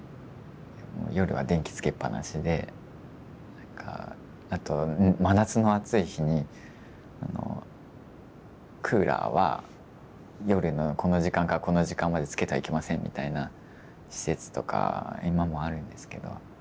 夜は電気つけっぱなしでなんかあと真夏の暑い日にクーラーは夜のこの時間からこの時間までつけてはいけませんみたいな施設とか今もあるんですけど。